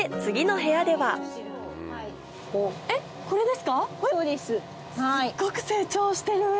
すっごく成長してる！